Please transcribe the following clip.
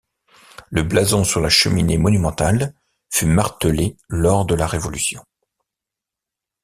Le blason sur La cheminée monumentale fut martelé lors de la Révolution.